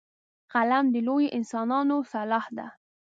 قلم د لویو انسانانو سلاح ده